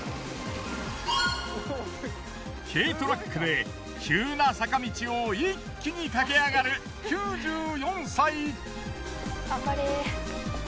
軽トラックで急な坂道を一気に駆け上がる９４歳！